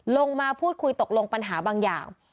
ลงมาพูดคุยตกลงปัญหาบางอย่าง